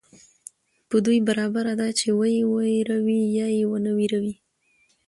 په دوى برابره ده چي وئې وېروې يا ئې ونه وېروې